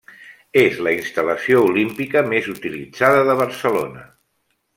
És la instal·lació olímpica més utilitzada de Barcelona.